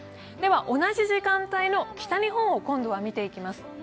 同じ時間帯の北日本を今度は見ていきます。